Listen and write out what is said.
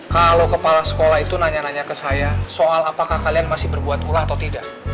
kalau kepala sekolah itu nanya nanya ke saya soal apakah kalian masih berbuat ulah atau tidak